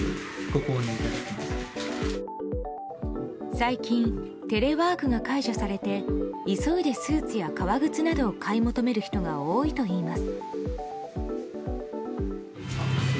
最近、テレワークが解除されて急いでスーツや革靴などを買い求める人が多いといいます。